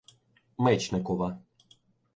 Мечникова.